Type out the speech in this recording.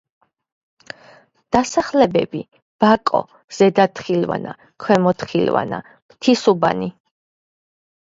დასახლებები: ბაკო, ზედა თხილვანა, ქვემო თხილვანა, მთისუბანი.